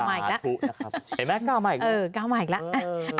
นะครับไอ้แม่เก้ามาอีกแล้วเออเก้ามาอีกแล้วเออ